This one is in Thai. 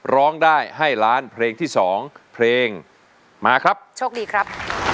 ร้องได้ให้ล้านเพลงที่สองเพลงมาครับโชคดีครับ